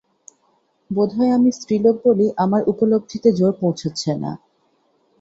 বোধ হয় আমি স্ত্রীলোক বলেই আমার উপলব্ধিতে জোর পৌঁচচ্ছে না।